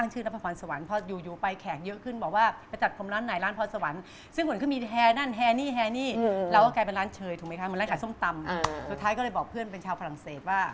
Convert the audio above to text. สุดท้ายก็เลยบอกเพื่อนเป็นชาวฝรั่งเศสว่า